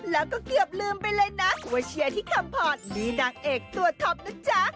แล้วก็เกือบลืมไปเลยนะว่าเชียร์ที่คำพรนี่นางเอกตัวท็อปนะจ๊ะ